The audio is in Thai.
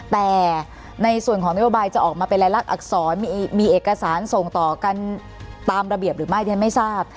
แต่ในส่วนของนโยบายจะออกมาเป็นรายลักษรมีเอกสารส่งต่อกันตามระเบียบหรือไม่เรียนไม่ทราบ